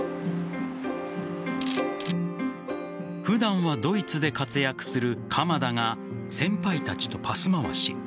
普段はドイツで活躍する鎌田が先輩たちとパス回し。